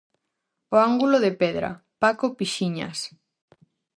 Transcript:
"O ángulo de pedra", Paco Pixiñas.